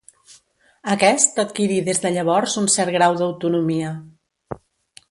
Aquest adquirí des de llavors un cert grau d'autonomia.